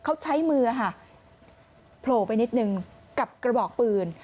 เขาใช้มือค่ะโผล่ไปนิดนึงกับกระบอกปืน